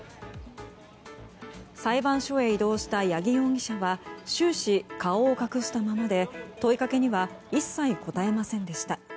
裁判所へ移動した八木容疑者は終始、顔を隠したままで問いかけには一切答えませんでした。